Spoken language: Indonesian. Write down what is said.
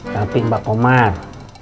tapi pak omar